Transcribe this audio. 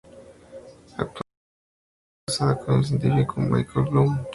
Actualmente se encuentra casada con el científico Michael Blum.